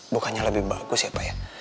bukannya lebih bagus ya pak ya